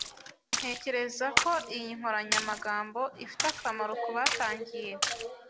Ntekereza ko iyi nkoranyamagambo ifite akamaro kubatangiye.